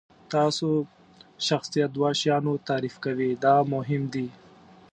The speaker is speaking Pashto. ستاسو شخصیت دوه شیان تعریف کوي دا مهم دي.